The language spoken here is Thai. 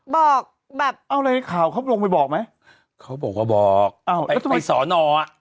บอกแบบเอาอะไรข่าวเขาลงไปบอกไหมเขาบอกว่าบอกอ้าวไอ้ไอ้สอนออ่ะ